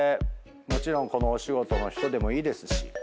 このお仕事の人でもいいですし。